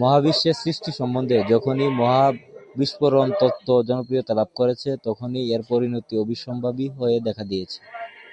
মহাবিশ্বের সৃষ্টি সম্বন্ধে যখনই মহা বিস্ফোরণ তত্ত্ব জনপ্রিয়তা লাভ করেছে তখনই এর পরিণতি অবশ্যম্ভাবী হয়ে দেখা দিয়েছে।